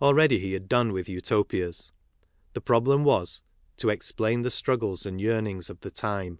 Already he had done with Utopias; the problem was "to explain the struggles and yearnings of the time."